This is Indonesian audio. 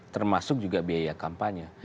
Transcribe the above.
termasuk juga biaya kampanye